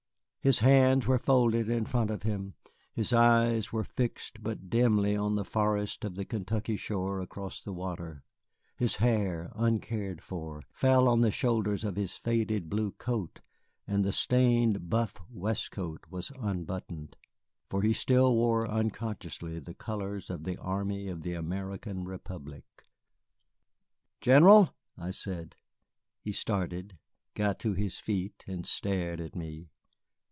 His hands were folded in front of him, his eyes were fixed but dimly on the forests of the Kentucky shore across the water; his hair, uncared for, fell on the shoulders of his faded blue coat, and the stained buff waistcoat was unbuttoned. For he still wore unconsciously the colors of the army of the American Republic. "General!" I said. He started, got to his feet, and stared at me.